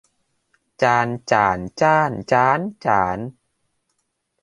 จาน จ่าน จ้าน จ๊าน จ๋าน